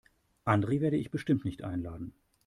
Andre werde ich bestimmt nicht einladen.